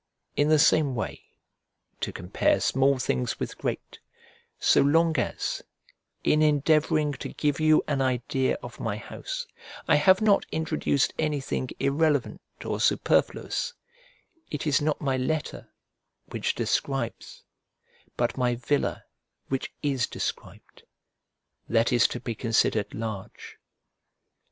In the same way (to compare small things with great), so long as, in endeavouring to give you an idea of my house, I have not introduced anything irrelevant or superfluous, it is not my letter which describes, but my villa which is described, that is to be considered large.